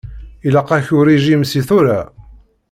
Ilaq-ak urijim seg tura.